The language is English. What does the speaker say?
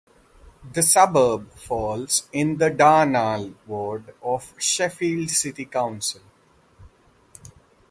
The suburb falls in the Darnall ward of Sheffield City Council.